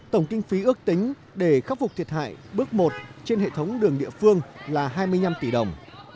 tổng kinh phí ước tính để khắc phục thiệt hại bước một trên hệ thống đường địa phương là hai mươi năm tỷ đồng